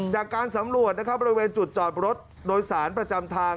จากการสำรวจนะครับบริเวณจุดจอดรถโดยสารประจำทาง